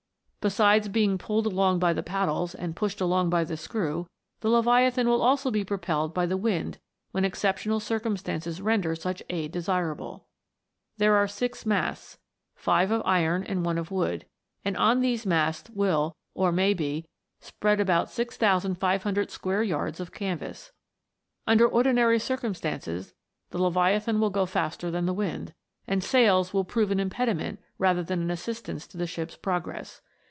Besides being pulled along by the paddles, and pushed along by the screw, the Leviathan will also be propelled by the wind when exceptional cir cumstances render such aid desirable. There are six masts, five of iron and one of wood, and on these masts will, or may be, spread about 6500 square yards of canvass. Under ordinary circum stances the Leviathan will go faster than the wind, and sails will prove an impediment rather than an assistance to the ship's progress.